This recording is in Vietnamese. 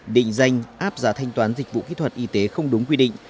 định danh áp giá thanh toán dịch vụ kỹ thuật y tế không đúng quy định